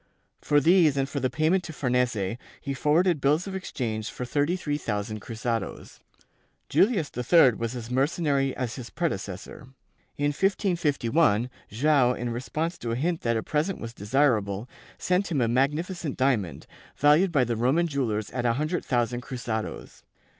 For these and for the payment to Farnese, he forwarded bills of exchange for thirty three thousand cruzados. Julius III was as mercenary as his predecessor. In 1551 Joao, in response to a hint that a present was desirable, sent him a magnificent diamond, valued by the Roman jewellers at a hundred thousand cruzados.